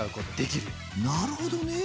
なるほどね。